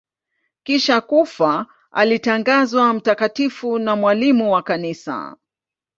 Kisha kufa alitangazwa mtakatifu na mwalimu wa Kanisa.